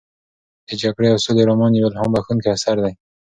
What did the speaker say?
د جګړې او سولې رومان یو الهام بښونکی اثر دی.